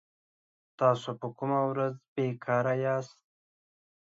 تاسو په کومه ورځ بي کاره ياست